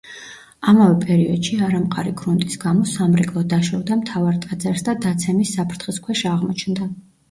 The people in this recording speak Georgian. ამავე პერიოდში არამყარი გრუნტის გამო სამრეკლო დაშორდა მთავარ ტაძარს და დაცემის საფრთხის ქვეშ აღმოჩნდა.